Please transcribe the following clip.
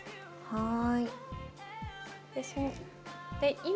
はい。